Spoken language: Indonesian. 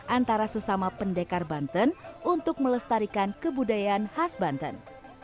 antara sesama pendekar banten untuk melestarikan kebudayaan khas banten